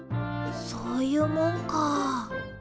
そういうもんかあ。